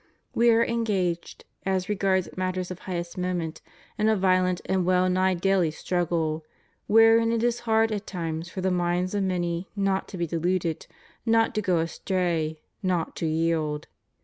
We are engaged, as regards matters of highest moment, in a ^'iolent and well nigh daily struggle, wherein it is hard at times for the minds of many not to be deluded, not to go astray, not to yield.